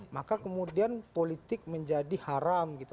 maka kemudian politik menjadi haram gitu